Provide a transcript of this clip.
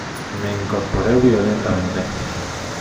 me incorporé violentamente: